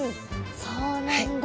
そうなんだ。